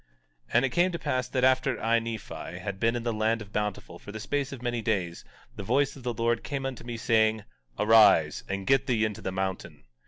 17:7 And it came to pass that after I, Nephi, had been in the land of Bountiful for the space of many days, the voice of the Lord came unto me, saying: Arise, and get thee into the mountain.